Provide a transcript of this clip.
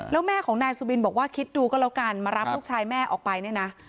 แล้วแม่ของนายสุบินบอกว่าคิดดูก็แล้วกันมารับลูกชายแม่ออกไปเนี่ยนะ